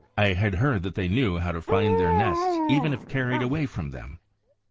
I had heard that they knew how to find their nests even if carried away from them.